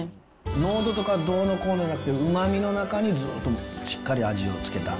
濃度とか、どうのこうのじゃなくて、うまみの中にずっとしっかり味をつけた。